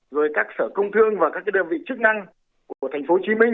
rồi các sở công thương và các đơn vị chức năng của tp hcm